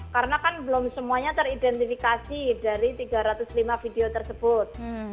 karena kan belum semuanya teridentifikasi dari tiga ratus lima video tersebut